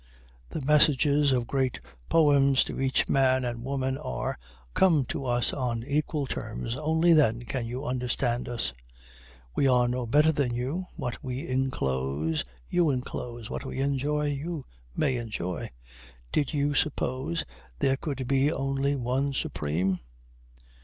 The messages of great poems to each man and woman are, Come to us on equal terms, only then can you understand us. We are no better than you, what we inclose you inclose, what we enjoy you may enjoy. Did you suppose there could be only one Supreme?